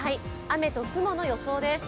雨と雲の予想です。